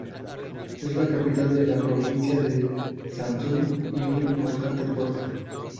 Es la capital de la provincia de Samsun y un importante puerto.